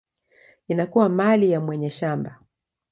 inakuwa mali ya mwenye shamba.